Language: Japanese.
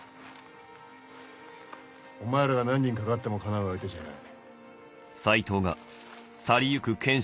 お前らが何人掛かってもかなう相手じゃない。